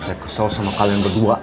saya kesel sama kalian berdua